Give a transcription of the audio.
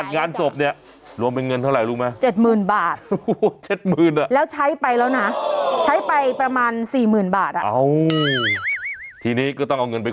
แต่ว่าเงินจะเข้าเมื่อไหร่วันไหนบ้างไปดูกันหน่อยค่ะ